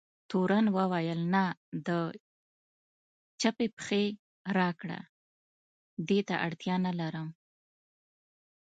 تورن وویل: نه، د چپې پښې راکړه، دې ته اړتیا نه لرم.